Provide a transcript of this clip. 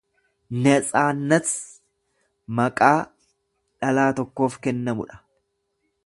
Netsaannet maqaa dhalaa tokkoof kennamudha.